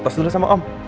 pes dulu sama om